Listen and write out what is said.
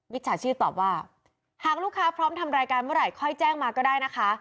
จฉาชีพตอบว่าหากลูกค้าพร้อมทำรายการเมื่อไหร่ค่อยแจ้งมาก็ได้นะคะ